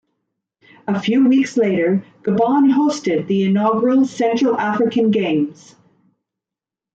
A few weeks later Gabon hosted the inaugural Central African Games.